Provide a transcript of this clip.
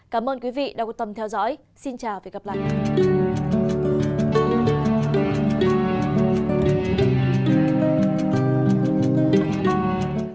cảm ơn quý vị đã quan tâm theo dõi xin chào và hẹn gặp lại